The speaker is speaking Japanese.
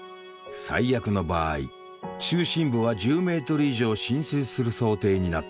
最悪の場合中心部は１０メートル以上浸水する想定になっている。